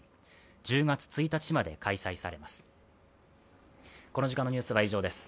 １０月１日まで開催されます。